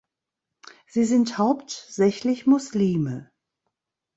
Sie sind hauptsächlich Muslime.